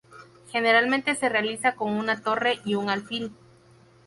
Generalmente se realiza con una torre y un alfil.